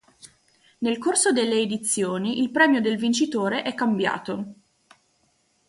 Nel corso delle edizioni il premio del vincitore è cambiato.